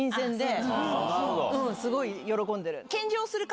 すごい喜んでる。